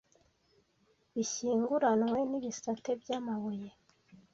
bishyinguranywe n’ibisate by,amabuye